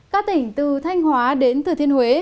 các tỉnh từ thanh hóa đến thừa thiên huế